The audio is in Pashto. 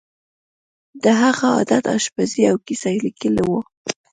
د هغه عادت آشپزي او کیسه لیکل وو